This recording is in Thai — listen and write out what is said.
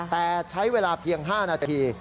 แต่ใช้เวลาเพียง๕นาที